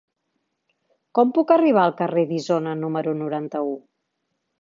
Com puc arribar al carrer d'Isona número noranta-u?